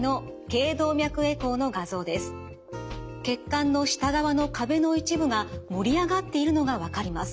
血管の下側の壁の一部が盛り上がっているのが分かります。